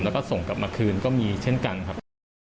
แล้วก็ส่งกลับมาคืนก็มีเช่นกันครับ